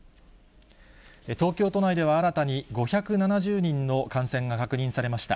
東京都内では新たに５７０人の感染が確認されました。